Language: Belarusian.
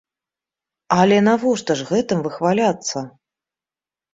Але навошта ж гэтым выхваляцца?